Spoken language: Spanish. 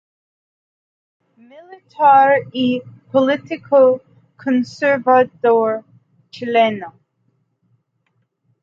Militar y político conservador chileno.